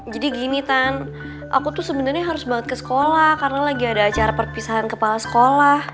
jadi gini tan aku tuh sebenernya harus banget ke sekolah karena lagi ada acara perpisahan kepala sekolah